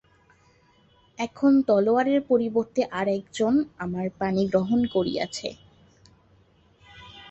এখন তলোয়ারের পরিবর্তে আর একজন আমার পাণিগ্রহণ করিয়াছে।